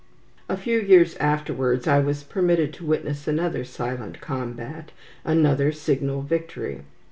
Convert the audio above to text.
A few years afterwards I was permitted to witness another silent combat, another signal victory.